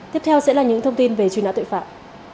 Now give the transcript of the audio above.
tiếp theo sẽ là những thông tin về truy nã tội phạm